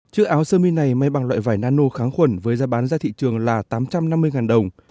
chiếc áo sơ mi này may bằng loại vải nano kháng khuẩn với giá bán ra thị trường là tám trăm năm mươi đồng